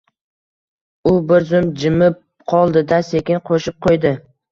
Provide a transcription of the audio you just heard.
U bir zum jimib qoldi-da, sekin qo‘shib qo‘ydi.